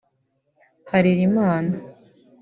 Harerimana